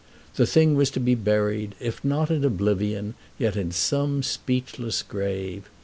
The thing was to be buried, if not in oblivion, yet in some speechless grave.